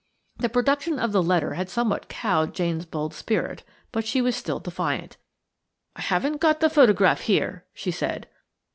The production of the letter had somewhat cowed Jane's bold spirit. But she was still defiant. "I haven't got the photograph here," she said.